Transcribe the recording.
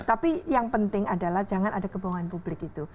tapi yang penting adalah jangan ada kebohongan publik itu